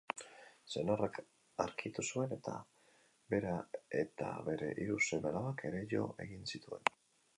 Senarrak arkitu zuen eta bera eta bere hiru seme-alabak ere jo egin zituen.